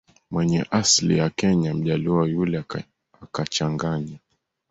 mwenye asili ya Kenya Mjaluo yule akachanganya